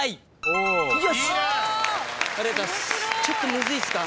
ちょっとむずいっすか？